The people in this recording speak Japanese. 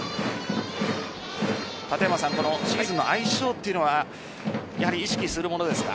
このシーズンの相性というのは意識するものですか？